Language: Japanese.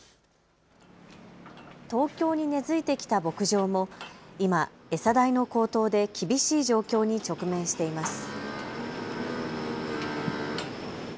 東京に根づいてきた牧場も今、餌代の高騰で厳しい状況に直面しています。